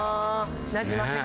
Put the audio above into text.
なじませ方。